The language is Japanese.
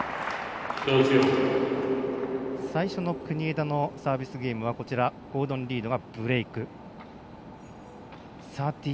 最初の国枝のサービスゲームはゴードン・リードがブレーク。